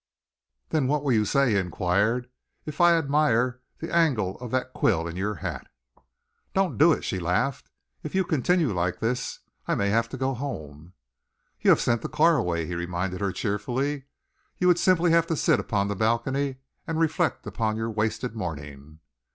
"Then what will you say," he enquired, "if I admire the angle of that quill in your hat?" "Don't do it," she laughed. "If you continue like this, I may have to go home." "You have sent the car away," he reminded her cheerfully. "You would simply have to sit upon the balcony and reflect upon your wasted morning."